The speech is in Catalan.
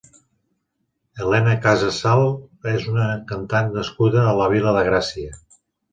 Helena Casas Sal és una cantant nascuda a la Vila de Gràcia.